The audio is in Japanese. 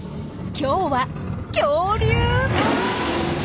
今日は恐竜！